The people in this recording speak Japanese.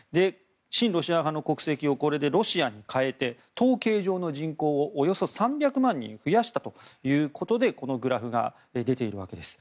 親ロシア派の国籍をロシアに変えて統計上の人口をおよそ３００万人増やしたということでこのグラフが出ているわけです。